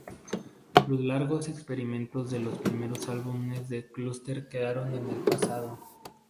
Los largos experimentos de los primeros álbumes de Cluster quedaron en el pasado".